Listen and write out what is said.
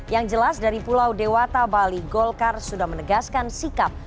yang jelas dari pulau dewata bali golkar sudah menegaskan sikap